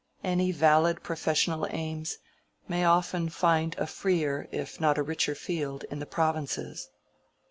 Any valid professional aims may often find a freer, if not a richer field, in the provinces."